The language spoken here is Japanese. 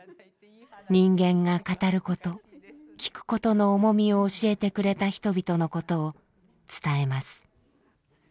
人間が語ることきくことの重みを教えてくれた人々のことを伝えます。